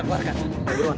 kembali ke tempat telur